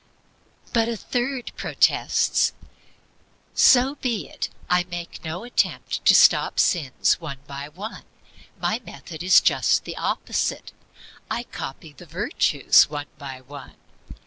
3. But a third protests: "So be it. I make no attempt to stop sins one by one. My method is just the opposite. I COPY THE VIRTUES one by one."